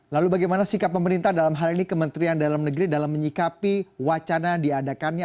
lalu bagaimana sikap pemerintah dalam hal ini kementerian dalam negeri dalam menyikapi wacana diadakannya